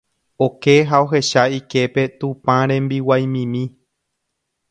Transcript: oke ha ohecha iképe tupãrembiguaimimi.